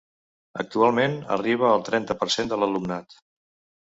Actualment arriba al trenta per cent de l’alumnat.